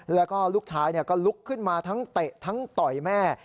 แล้วก็ลูกชายก็ลุกขึ้นมาทั้งเตะทั้งต่อยแม่